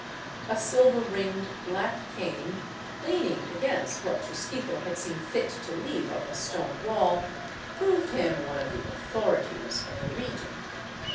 A silver ringed, black cane, leaning against what Chusquito had seen fit to leave of the stone wall, proved him one of the " authorities " of the region.